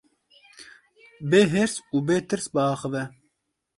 Bê hêrs û bê tirs biaxive.